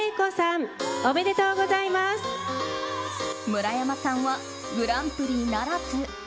村山さんはグランプリならず。